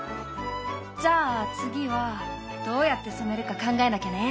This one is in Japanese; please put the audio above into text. じゃあ次はどうやって染めるか考えなきゃね。